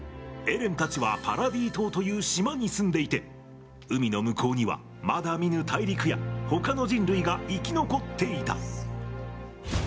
エレンたちはパラディ島という島に住んでいて海の向こうには、まだ見ぬ大陸やほかの人類が生き残っていた。